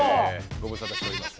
ご無沙汰しております。